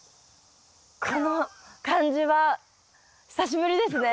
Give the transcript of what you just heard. この感じは久しぶりですね。